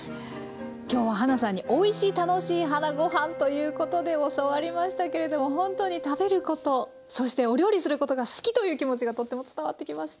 今日ははなさんに「おいし楽しいはなゴハン」ということで教わりましたけれどもほんとに食べることそしてお料理することが好きという気持ちがとても伝わってきました。